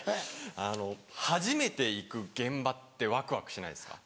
初めて行く現場ってワクワクしないですか？